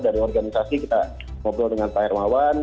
dari organisasi kita ngobrol dengan pak hermawan